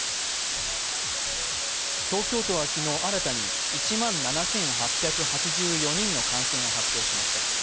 東京都は昨日、新たに１万７８８４人の感染を発表しました。